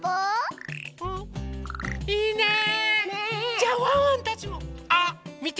じゃワンワンたちも。あっみて！